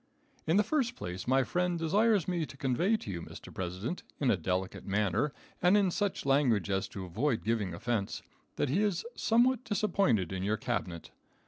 In the first place, my friend desires me to convey to you, Mr. President, in a delicate manner, and in such language as to avoid giving offense, that he is somewhat disappointed in your Cabinet.